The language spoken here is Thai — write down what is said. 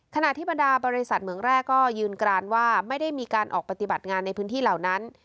ขณะที่บรรดาบริษัทเหมืองแรกก็ยืนกรานว่าไม่ได้มีการออกปฏิบัติงานในพื้นที่เหล่านั้น